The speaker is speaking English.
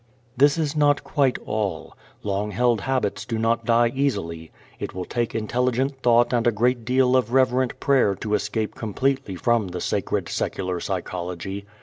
This is not quite all. Long held habits do not die easily. It will take intelligent thought and a great deal of reverent prayer to escape completely from the sacred secular psychology.